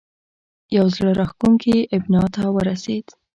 یوه زړه راښکونې ابنا ته ورسېد.